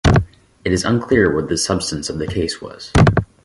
It is unclear what the substance of the case was.